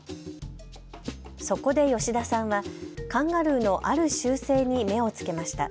そこで吉田さんは、カンガルーのある習性に目をつけました。